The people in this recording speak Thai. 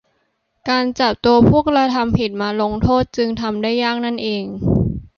การจับตัวผู้กระทำผิดมาลงโทษจึงทำได้ยากนั่นเอง